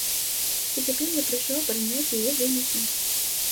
І цяпер я прыйшоў абараняць яе вынікі.